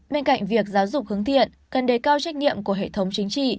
bên cạnh việc giáo dục hướng thiện cần đề cao trách nhiệm của hệ thống chính trị